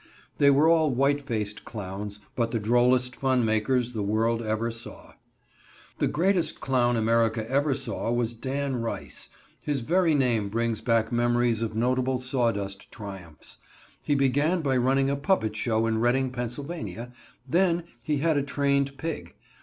They were all white faced clowns, but the drollest fun makers the world ever saw. The greatest clown America ever saw was Dan Rice. His very name brings back memories of notable sawdust triumphs. He began by running a puppet show in Reading, Pa. Then he had a trained pig.